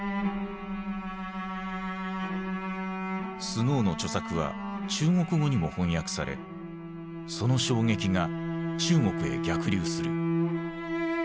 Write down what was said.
スノーの著作は中国語にも翻訳されその衝撃が中国へ逆流する。